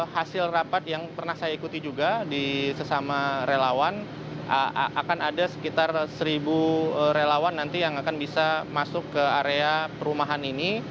hasil rapat yang pernah saya ikuti juga di sesama relawan akan ada sekitar seribu relawan nanti yang akan bisa masuk ke area perumahan ini